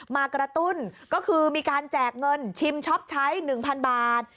มากระตุ้นก็คือมีการแจกเงินชิมช็อปใช้๑๐๐๐บาท